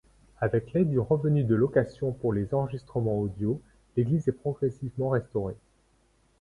Avec l'aide du revenu de location pour les enregistrements audio, l'église est progressivement restaurée.